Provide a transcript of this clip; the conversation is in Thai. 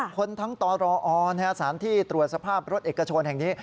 คนทั้งตรอสารที่ตรวจสภาพรถเอกชนแห่งนี้